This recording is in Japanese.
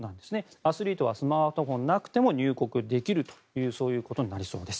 アスリートはスマートフォンなくても入国できるということになりそうです。